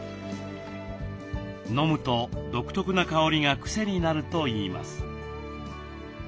飲むと独特な香りがクセになるといいます。